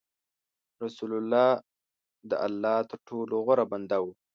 رسول الله د الله تر ټولو غوره بنده و.